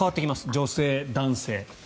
女性、男性。